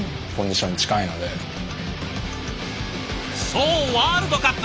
そうワールドカップ！